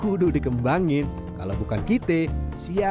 kudu dikembangin kalau bukan kita siapa lagi